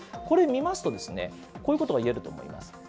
これ、見ますとですね、こういうことが言えると思います。